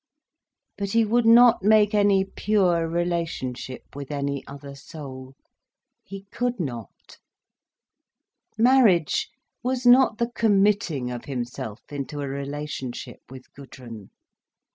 But he would not make any pure relationship with any other soul. He could not. Marriage was not the committing of himself into a relationship with Gudrun.